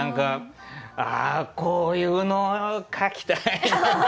ああこういうの書きたいな。